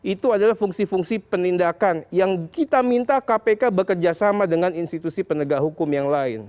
itu adalah fungsi fungsi penindakan yang kita minta kpk bekerjasama dengan institusi penegak hukum yang lain